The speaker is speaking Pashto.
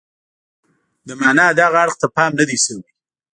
د معنا دغه اړخ ته پام نه دی شوی.